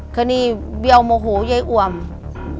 คดีเบี้ยวโมโหยายอวม